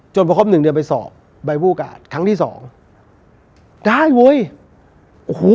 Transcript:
พอครบหนึ่งเดือนไปสอบใบผู้ประกาศครั้งที่สองได้เว้ยโอ้โห